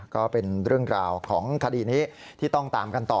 ก็เป็นเรื่องราวของคดีนี้ที่ต้องตามกันต่อ